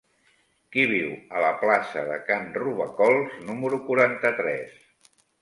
Qui viu a la plaça de Can Robacols número quaranta-tres?